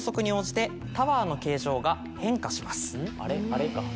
・あれか・